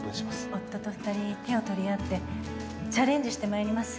夫と２人、手を取り合ってチャレンジしてまいります。